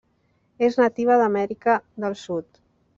És nativa d'Amèrica del Sud.